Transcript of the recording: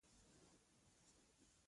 قبر د عبرت هدیره ده.